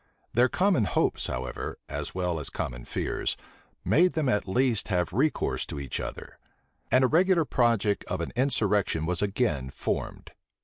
Their common hopes, however, as well as common fears, made them at last have recourse to each other; and a regular project of an insurrection was again formed.